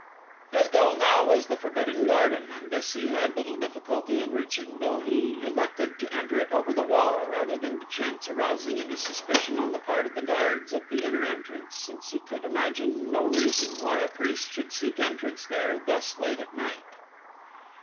His goal now was the Forbidden Garden and this he had little difficulty in reaching though he elected to enter it over the wall rather than to chance arousing any suspicion on the part of the guards at the inner entrance, since he could imagine no reason why a priest should seek entrance there thus late at night.